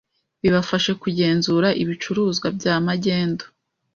bibafashe kugenzura ibicuruzwa bya magendu